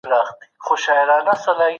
زکات د اسلامي اقتصاد بنسټ جوړوي.